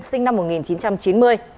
sinh năm một nghìn chín trăm chín mươi